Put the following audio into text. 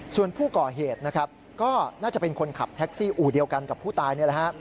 ส่วนผู้ก่อเหตุนะครับก็น่าจะเป็นคนขับแท็กซี่อู่เดียวกันกับผู้ตายนี่แหละฮะ